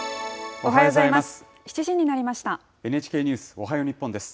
おはようございます。